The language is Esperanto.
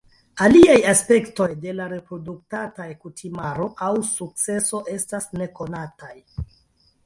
Aliaj aspektoj de la reproduktaj kutimaro aŭ sukceso estas nekonataj.